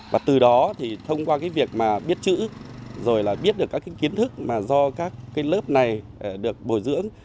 và từ đó thì thông qua cái việc mà biết chữ rồi là biết được các cái kiến thức mà do các cái lớp này được bồi dưỡng